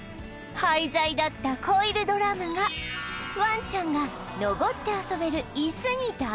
廃材だったコイルドラムがワンちゃんが登って遊べる椅子に大変身！